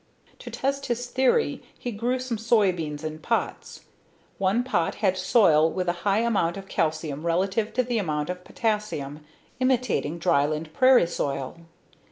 To test his theory he grew some soybeans in pots. One pot had soil with a high amount of calcium relative to the amount of potassium, imitating dryland prairie soil.